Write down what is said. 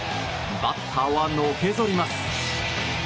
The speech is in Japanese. バッターはのけぞります。